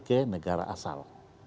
ke negara asal